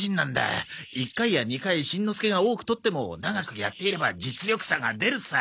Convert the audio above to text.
１回や２回しんのすけが多くとっても長くやっていれば実力差が出るさ。